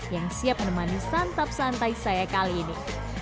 yang siap menemani santap santai saya kali ini